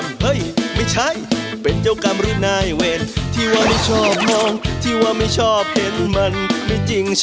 มันใกล้มันใกล้เห็นหน้าแล้วอร่องเสียมันต้องเห็นทุกวัน